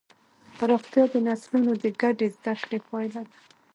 پراختیا د نسلونو د ګډې زدهکړې پایله ده.